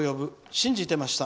信じてました。